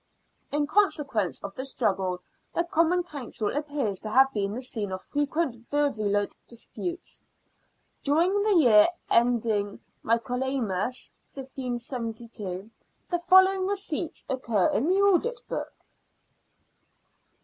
In consequence of the struggle, the Common Council appears to have been the scene of frequent virulent disputes. During the year ending Michaelmas, 1572, the following receipts occur in the audit book :— i s.